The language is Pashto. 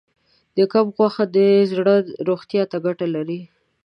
د کب غوښه د زړه روغتیا ته ګټه لري.